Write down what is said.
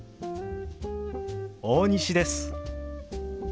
大西です。